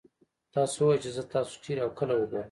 تاسو ووايئ چې زه تاسو چېرې او کله وګورم.